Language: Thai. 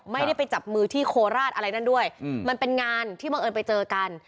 ไม่ได้ไปจับมือที่โคราชอะไรนั่นด้วยมันเป็นงานที่บังเอิญไปเจอกัน